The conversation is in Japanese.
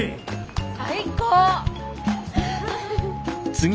最高！